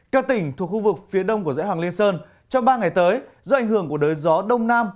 các tỉnh thuộc khu vực phía đông của dãy hoàng liên sơn trong ba ngày tới do ảnh hưởng của đới gió đông nam